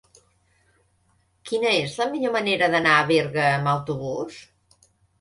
Quina és la millor manera d'anar a Berga amb autobús?